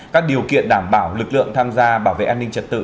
các điều kiện đảm bảo lực lượng tham gia bảo vệ an ninh trật tự